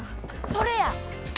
それや！